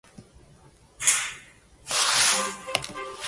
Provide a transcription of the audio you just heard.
Applications open in mid-October and close in mid-November.